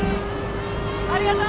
ありがとう！